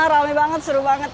rame banget seru banget